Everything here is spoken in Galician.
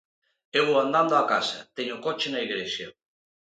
Eu vou andando a casa, teño o coche na igrexa